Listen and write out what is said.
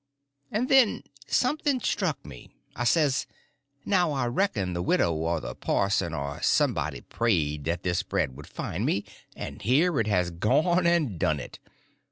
And then something struck me. I says, now I reckon the widow or the parson or somebody prayed that this bread would find me, and here it has gone and done it.